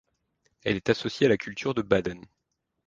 Elle est associée à la culture de Baden.